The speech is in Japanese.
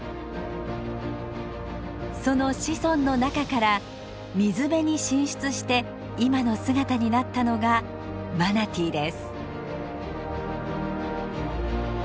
その子孫の中から水辺に進出して今の姿になったのがマナティーです。